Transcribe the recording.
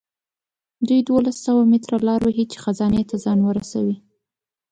دوی دولس سوه متره لاره وهي چې خزانې ته ځان ورسوي.